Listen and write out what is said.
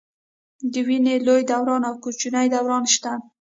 د وینې لوی دوران او کوچني دوران شته.